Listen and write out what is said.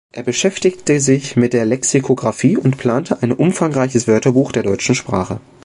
Er beschäftigte sich mit der Lexikographie und plante ein umfangreiches Wörterbuch der deutschen Sprache.